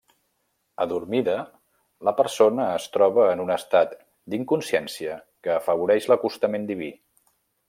Adormida, la persona es troba en un estat d'inconsciència que afavoreix l'acostament diví.